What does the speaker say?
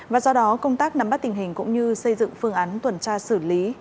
và do đó công tác nắm bắt tình hình cũng như xây dựng phương án tuần tra xử lý